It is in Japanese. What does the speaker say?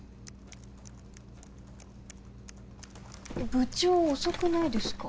部長遅くないですか？